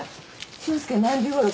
俊介何時ごろ